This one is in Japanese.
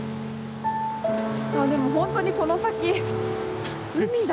でも本当にこの先海だ。